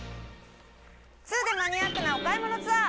ツウでマニアックなお買い物ツアー。